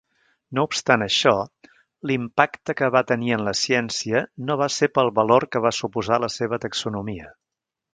No obstant això, l'impacte que va tenir en la ciència no va ser pel valor que va suposar la seva taxonomia.